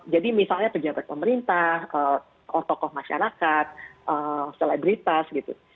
jadi misalnya pejabat pemerintah tokoh masyarakat selebritas